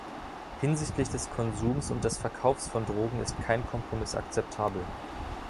Hinsichtlich des Konsums und des Verkaufs von Drogen ist kein Kompromiss akzeptabel.